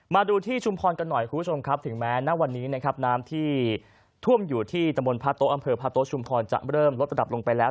มาดูที่ชุมพรกันหน่อยคุณผู้ชมครับถึงแม้ณวันนี้นะครับน้ำที่ท่วมอยู่ที่ตะบนพระโต๊ะอำเภอพระโต๊ะชุมพรจะเริ่มลดระดับลงไปแล้ว